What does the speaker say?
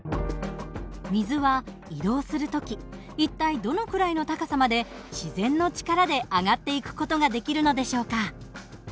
水は移動する時一体どのくらいの高さまで自然の力で上がっていく事ができるのでしょうか？